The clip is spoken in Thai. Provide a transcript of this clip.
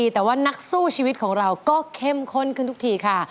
แต่ว่านักสู้ชีวิตของเราก็เข้มข้นขึ้นทุกทีค่ะ